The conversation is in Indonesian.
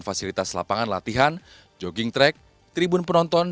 fasilitas lapangan latihan jogging track tribun penonton